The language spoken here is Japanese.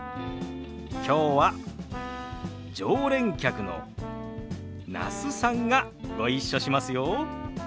きょうは常連客の那須さんがご一緒しますよ。